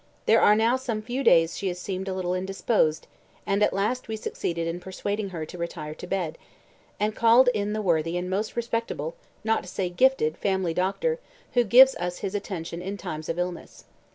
There are now some few days she has seemed a little indisposed, and at last we succeeded in persuading her to retire to bed, and called in the worthy and most respectable, not to say gifted, family doctor who gives us his attention in times of illness.